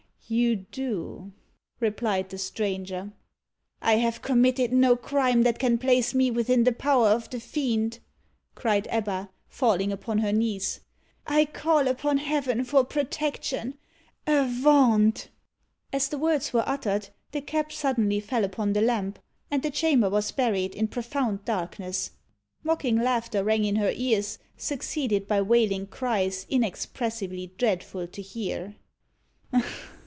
"You do," replied the stranger. "I have committed no crime that can place me within the power of the Fiend," cried Ebba, falling upon her knees. "I call upon Heaven for protection! Avaunt!" As the words were uttered, the cap suddenly fell upon the lamp, and the chamber was buried in profound darkness. Mocking laughter rang in her ears, succeeded by wailing cries inexpressibly dreadful to hear.